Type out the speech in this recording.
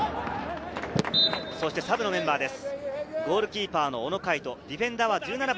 サブのメンバーです。